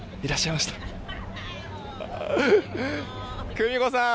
久美子さん！